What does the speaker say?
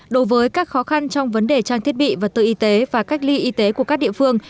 đối với các khó khăn trong vấn đề trang thiết bị và tự y tế và cách ly y tế của các địa phương